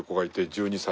１２歳？